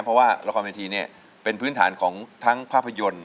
เพราะว่าละครเวทีเนี่ยเป็นพื้นฐานของทั้งภาพยนตร์